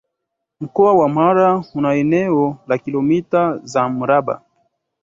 Mkoa wa Mara una eneo la Kilomita za mraba